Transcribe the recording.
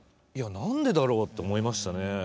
なんでだろうって思いましたね。